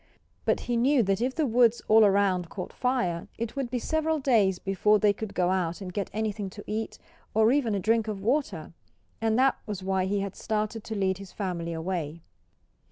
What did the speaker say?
But he knew that if the woods all around caught fire it would be several days before they could go out and get anything to eat, or even a drink of water. And that was why he had started to lead his family away.